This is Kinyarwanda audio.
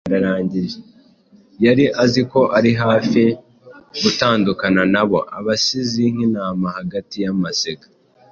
Yari azi ko ari hafi gutandukana nabo, abasize nk’intama hagati y’amasega.